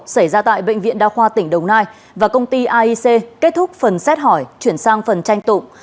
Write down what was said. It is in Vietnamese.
xảy ra tại bệnh viện đa khoa tỉnh đồng nai và công ty aic kết thúc phần xét hỏi chuyển sang phần tranh tụng